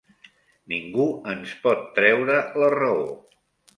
Ningú ens pot treure la raó.